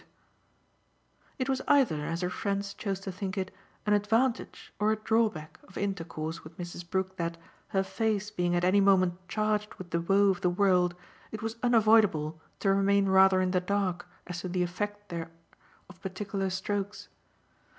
It was either, as her friends chose to think it, an advantage or a drawback of intercourse with Mrs. Brook that, her face being at any moment charged with the woe of the world, it was unavoidable to remain rather in the dark as to the effect there of particular strokes.